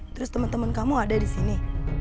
terus temen temen kamu ada disini